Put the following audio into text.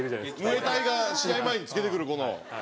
ムエタイが試合前に着けてくるこの。